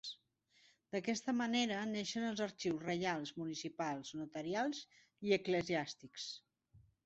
D'aquesta manera, neixen els arxius reials, municipals, notarials i eclesiàstics.